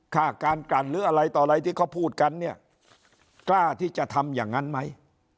ฆ่าการกลั่นหรืออะไรต่ออะไรที่เขาพูดกันเนี่ยกล้าที่จะทำอย่างนั้นไหม